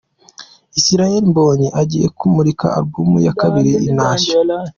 Israel Mbonyi agiye kumurika album ya kabiri 'Intashyo'.